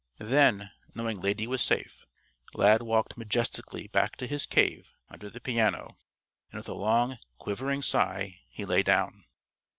Then, knowing Lady was safe, Lad walked majestically back to his "cave" under the piano, and with a long, quivering sigh he lay down.